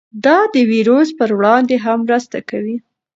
دا د ویروس پر وړاندې هم مرسته کوي.